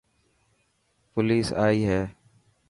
پوليس آئي هي.